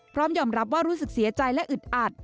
พร้อมยอมรับว่ารู้สึกเสียใจและอึดอัด